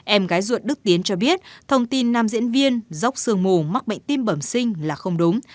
em gái ruột đức tiến cho biết thông tin nam diễn viên dốc sương mù mắc bệnh tim bẩm sinh là không đúng